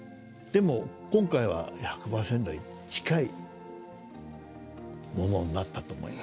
でも今回は１００％に近いものになったと思います。